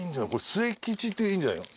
末吉っていいんじゃないの？